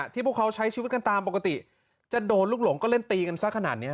พวกเขาใช้ชีวิตกันตามปกติจะโดนลูกหลงก็เล่นตีกันซะขนาดนี้